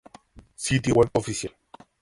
Sitio web oficial